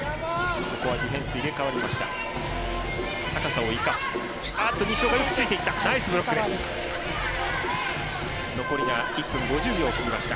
ここはディフェンス入れ替わりました。